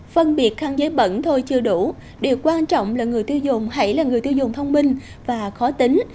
phân biệt khăn giấy bẩn thôi chưa đủ điều quan trọng là người tiêu dùng hãy là người tiêu dùng thông minh và khó tính